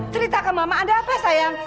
cerita ke mama ada apa sayang